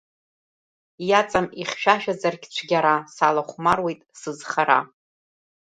Иаҵам ихьшәашәазаргь цәгьара, сылахәмаруеит сызхара.